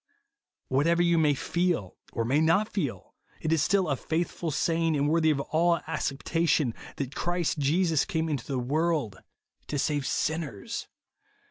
What ever you may feel, or may not feel, it is still a faithful saying, and worthy of all iicceptation, that Christ Jesus came into the world to save sinners.